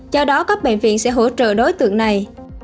do đó các bệnh viện sẽ hỗ trợ đối tượng này